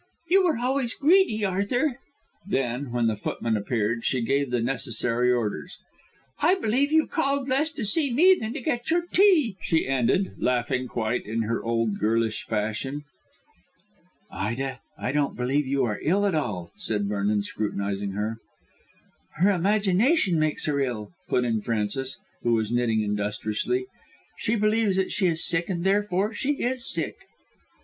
"You were always greedy, Arthur." Then, when the footman appeared, she gave the necessary orders. "I believe you called less to see me than to get your tea," she ended, laughing quite in her old girlish fashion. "Ida, I don't believe you are ill at all," said Vernon, scrutinising her. "Her imagination makes her ill," put in Frances, who was knitting industriously. "She believes that she is sick, and therefore she is sick."